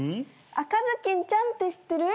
『赤ずきんちゃん』って知ってる？